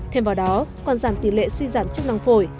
thêm vào đó còn giảm tỷ lệ suy giảm chức năng phổi